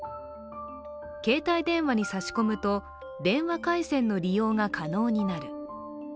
携帯電話に差し込むと電話回線の利用が可能になる。